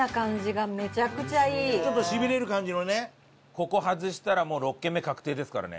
ここ外したらもう６軒目確定ですからね。